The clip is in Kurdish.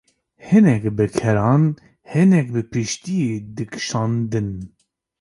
hinek bi keran, hinek bi piştiyê dikşandin.